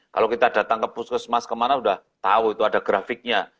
kalau kita datang ke puskesmas kemana sudah tahu itu ada grafiknya